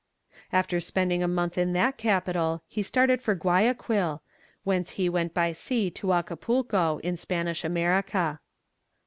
After spending a month in that capital he started for Guayaquil, whence he went by sea to Acapulco in Spanish America.